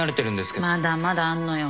まだまだあんのよ。